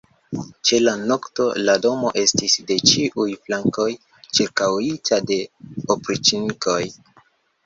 Ĉe la nokto la domo estis de ĉiuj flankoj ĉirkaŭita de opriĉnikoj.